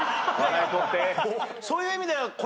そういう意味では。